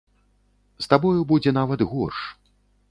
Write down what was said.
З табою будзе нават горш.